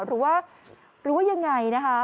หรือว่าหรือว่ายังไงนะคะ